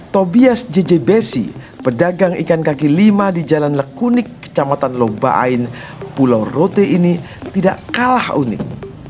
tobias jeje besi pedagang ikan kaki lima di jalan lekunik kecamatan lomba ain pulau rote ini tidak kalah unik